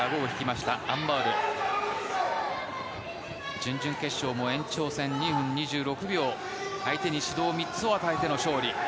準々決勝も延長戦２分２６秒相手に指導３つを与えての勝利。